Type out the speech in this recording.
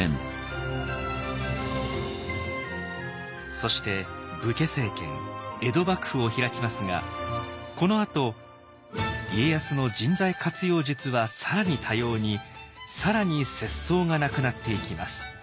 そして武家政権江戸幕府を開きますがこのあと家康の人材活用術は更に多様に更に節操がなくなっていきます。